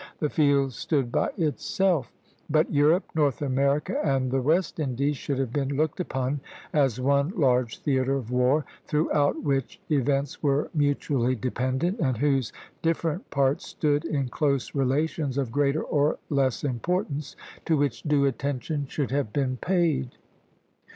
The field stood by itself. But Europe, North America, and the West Indies should have been looked upon as one large theatre of war, throughout which events were mutually dependent, and whose different parts stood in close relations of greater or less importance, to which due attention should have been paid.